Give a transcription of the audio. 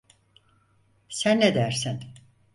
Sen ne dersen.